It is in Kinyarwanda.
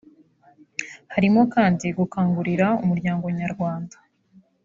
harimo kandi gukangurira umuryango nyarwanda